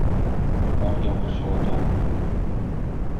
Вак яңгыр чылата.